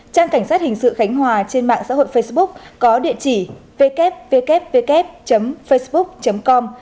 trang cảnh sát hình sự khánh hòa trên mạng xã hội facebook có địa chỉ www facebook com